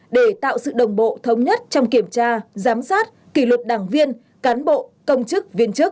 để tạo sự đồng bộ thống nhất trong kiểm tra giám sát kỷ luật đảng viên cán bộ công chức viên chức